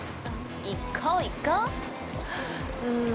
行こう、行こうっ。